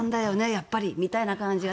やっぱりみたいな感じが